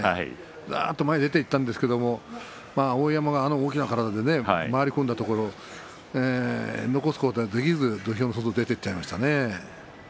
がっと前に出ていったんですけれど碧山が大きな体で回り込んだところ残すことができず土俵の外に出ていっちゃいましたね。